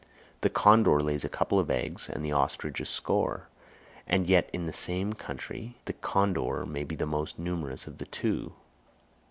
The condor lays a couple of eggs and the ostrich a score, and yet in the same country the condor may be the more numerous of the two.